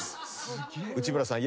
内村さん。